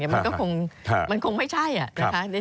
อะไรอย่างนี้มันก็คงไม่ใช่